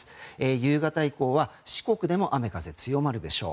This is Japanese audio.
夕方以降は四国でも雨風強まるでしょう。